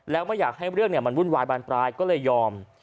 แล้วไม่อยากให้เรื่องมันวุ่นวายบานปลายก็เลยยอม